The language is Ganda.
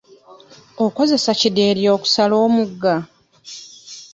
Okozesa kidyeri okusala omugga?